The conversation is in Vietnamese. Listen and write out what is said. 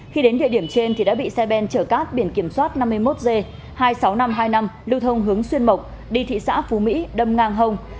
khi đến địa điểm trên đã bị xe ben chở cát biển kiểm soát năm mươi một g hai mươi sáu nghìn năm trăm hai mươi năm lưu thông hướng xuyên mộc đi thị xã phú mỹ đâm ngang hông